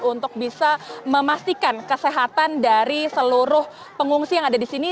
untuk bisa memastikan kesehatan dari seluruh pengungsi yang ada di sini